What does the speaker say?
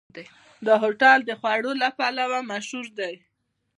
دا هوټل د خوړو له پلوه مشهور دی.